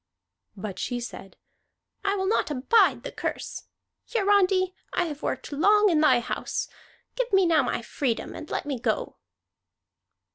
But she said: "I will not abide the curse. Hiarandi, I have worked long in thy house. Give me now my freedom and let me go."